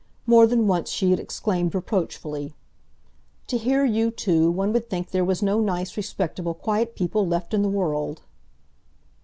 More than once she had exclaimed reproachfully: "To hear you two, one would think there was no nice, respectable, quiet people left in the world!"